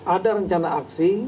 ada rencana aksi